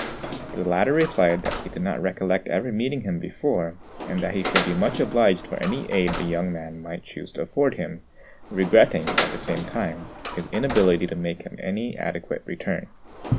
The latter replied that he did not recollect ever meeting him before, and that he should be much obliged for any aid the young man might choose to afford him; regretting, at the same time, his inability to make him any adequate return.